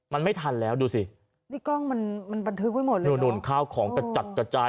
มันไม่ทันแล้วดูสินี่กล้องมันมันบันทึกไว้หมดเลยนู่นข้าวของกระจัดกระจาย